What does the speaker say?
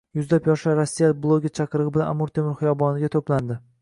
Yuzlab yoshlar rossiyalik bloger chaqirig‘i bilan Amir Temur xiyobonida to‘plandi